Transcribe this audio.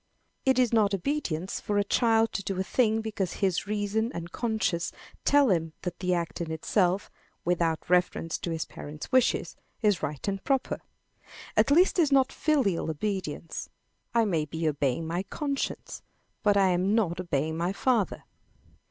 It is not obedience for a child to do a thing because his reason and conscience tell him that the act in itself, without reference to his parents' wishes, is right and proper. At least it is not filial obedience. I may be obeying my conscience, but I am not obeying my father.